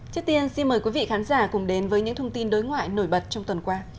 trước tiên xin mời quý vị khán giả cùng đến với những thông tin đối ngoại nổi bật trong tuần qua